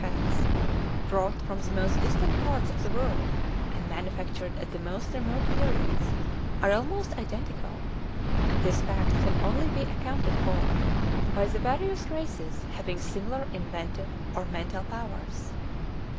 the stone arrow heads, brought from the most distant parts of the world, and manufactured at the most remote periods, are almost identical; and this fact can only be accounted for by the various races having similar inventive or mental powers.